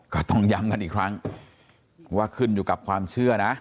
ก็ต้องย้ำกันอีกครั้งว่าขึ้นอยู่กับความเชื่อนะ